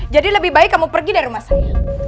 jadi lebih baik kamu pergi dari rumah saya